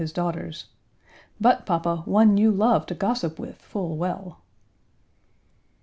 Page 163 his daughters: "But, papa, one you love to gossip with full well."